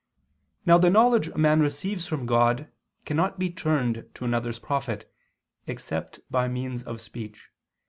Now the knowledge a man receives from God cannot be turned to another's profit, except by means of speech.